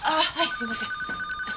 すいません。